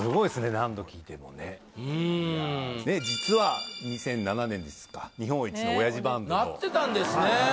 何度聴いてもね実は２００７年ですか日本一のおやじバンドなってたんですね